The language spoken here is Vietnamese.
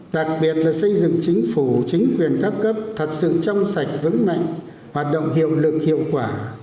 đặc biệt là xây dựng chính phủ chính quyền các cấp thật sự trong sạch vững mạnh hoạt động hiệu lực hiệu quả